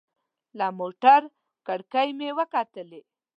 له موټر کړکۍ مې وکتلې.